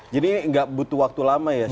jadi ini gak butuh waktu lama ya chef ya